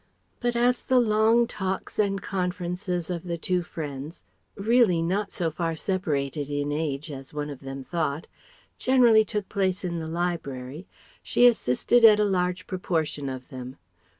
But as the long talks and conferences of the two friends really not so far separated in age as one of them thought generally took place in the library, she assisted at a large proportion of them.